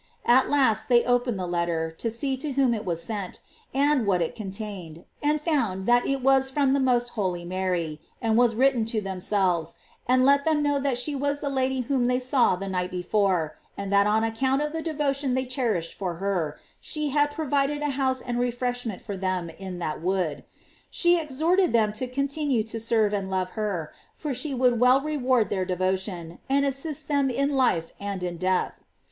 At last they opened the letter, to see to whom it was sent, and what it contained, and found that it was from the most holy Mary, and was written to themselves, and let them know that she was the Lady whom they saw the night before, and that on account of the devotion they cherished for her, she had provided a house and refreshment for them in that wood. She exhorted them to continue to serve and love her, for she would well reward their devotion, and assist them in life and in death.